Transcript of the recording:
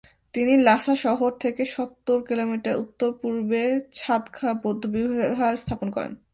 তিনি লাসা শহর থেকে সত্তর কিলোমিটার উত্তর-পূর্বে 'ছাদ-খা বৌদ্ধবিহার স্থাপন করেন।